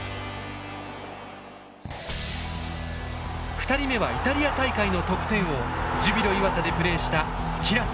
２人目はイタリア大会の得点王ジュビロ磐田でプレーしたスキラッチ。